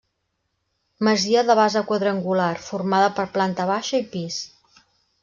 Masia de base quadrangular formada per planta baixa i pis.